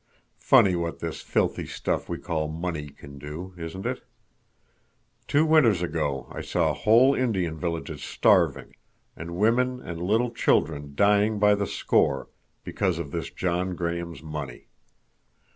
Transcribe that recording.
Funny what this filthy stuff we call money can do, isn't it? Two winters ago I saw whole Indian villages starving, and women and little children dying by the score because of this John Graham's money.